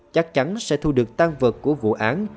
chắc chắn sẽ thu được tan vật của vụ án